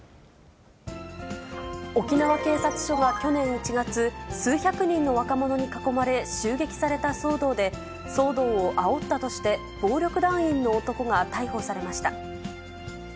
沖縄警察署が去年１月、数百人の若者に囲まれ、襲撃された騒動で、騒動をあおったとして、暴力団員の男が逮捕されました。